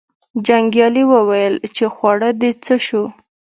جنګیالي وویل چې خواړه دې څه شو.